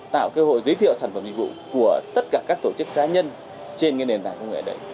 tạo cơ hội giới thiệu sản phẩm dịch vụ của tất cả các tổ chức cá nhân